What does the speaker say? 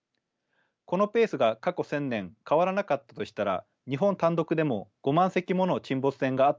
このペースが過去１，０００年変わらなかったとしたら日本単独でも５万隻もの沈没船があった計算になります。